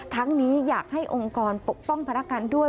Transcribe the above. นี้อยากให้องค์กรปกป้องพนักกันด้วย